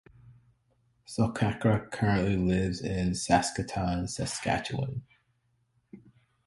Sokyrka currently lives in Saskatoon, Saskatchewan.